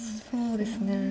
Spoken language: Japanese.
そうですね。